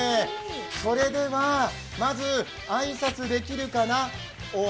それでは、まず挨拶できるかな？